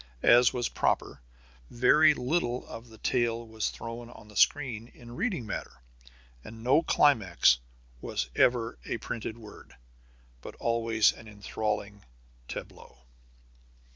As was proper, very little of the tale was thrown on the screen in reading matter, and no climax was ever a printed word, but always an enthralling tableau.